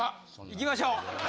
行きましょう！